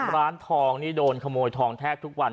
ร้านทองนี่โดนขโมยทองแทบทุกวัน